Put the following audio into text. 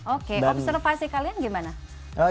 oke observasi kalian gimana